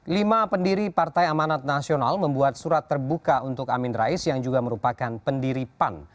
lima pendiri partai amanat nasional membuat surat terbuka untuk amin rais yang juga merupakan pendiri pan